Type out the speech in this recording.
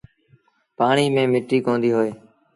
پآڻي ميݩ مٽيٚ ڪونديٚ هوئي۔